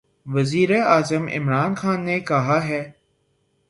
وزیراعظم عمران خان نے کہا ہے